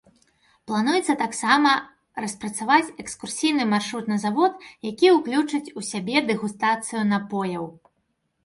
Плануецца таксама распрацаваць экскурсійны маршрут на завод, які ўключыць у сябе дэгустацыю напояў.